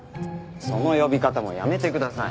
その呼び方もやめてください。